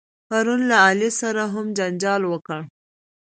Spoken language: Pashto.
پرون له علي سره هم جنجال وکړ.